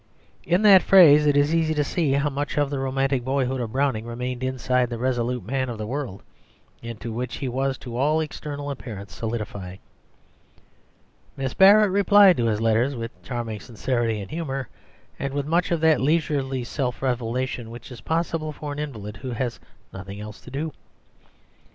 In that phrase it is easy to see how much of the romantic boyhood of Browning remained inside the resolute man of the world into which he was to all external appearance solidifying. Miss Barrett replied to his letters with charming sincerity and humour, and with much of that leisurely self revelation which is possible for an invalid who has nothing else to do.